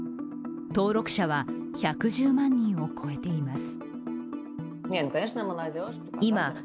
登録者は１１０万人を超えています。